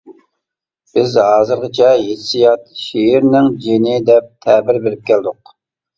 بىز ھازىرغىچە ھېسسىيات شېئىرنىڭ جېنى دەپ تەبىر بېرىپ كەلدۇق.